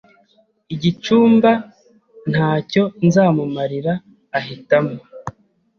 igicumba ntacyo nzamumarira ahitamo